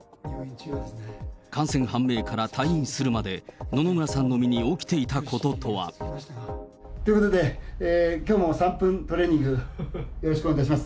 感染判明から退院するまで、野々村さんの身に起きていたこととは。ということで、きょうも３分トレーニング、よろしくお願いいたします。